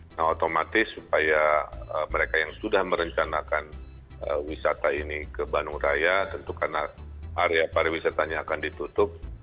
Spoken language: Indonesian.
nah otomatis supaya mereka yang sudah merencanakan wisata ini ke bandung raya tentu karena area pariwisatanya akan ditutup